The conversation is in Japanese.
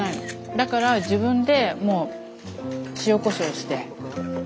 だから自分でもう塩こしょうして。